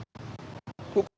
terima kasih pak